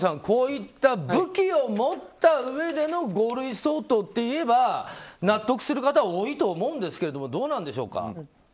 こういった武器を持ったうえでの五類相当といえば納得する方は多いと思うんですがどうなんでしょうか。